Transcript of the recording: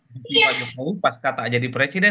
mungkin pak jokowi pas kata jadi presiden